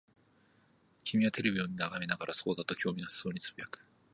君はテレビを眺めながら、そうだ、と興味なさそうに呟く。